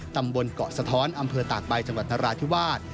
ตำบลเกาะสะท้อนอำเภอตากใบจังหวัดนราธิวาส